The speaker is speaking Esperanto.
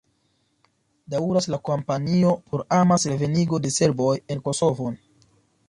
Daŭras la kampanjo por amasa revenigo de serboj en Kosovon.